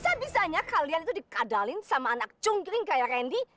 kalian ya bisa bisanya kalian itu dikadalin sama anak cungkring kayak randy